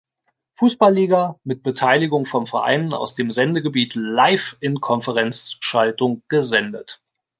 Fußball-Liga mit Beteiligung von Vereinen aus dem Sendegebiet live in Konferenzschaltung gesendet.